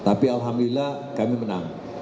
tapi alhamdulillah kami menang